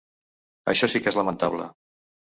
Això sí que és lamentable.